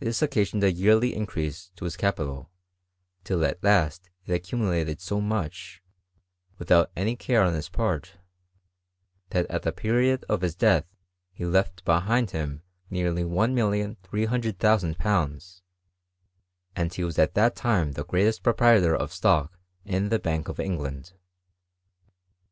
Tliis occasioned a yearly increase to hk capital, till at last it accumulated so much, without asT care on his part, that at the period of his death he left behind him nearly £1,300,000; and he was at that time the greatest proprietor of stock in the Bank of England.